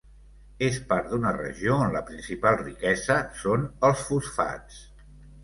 És part d'una regió on la principal riquesa són els fosfats.